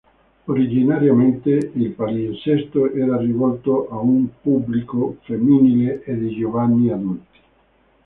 Originariamente il palinsesto era rivolto a un pubblico femminile e di giovani adulti.